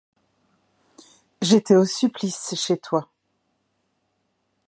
J’étais au supplice chez toi.